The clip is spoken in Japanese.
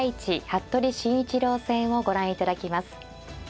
服部慎一郎戦をご覧いただきます。